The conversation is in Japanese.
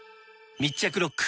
密着ロック！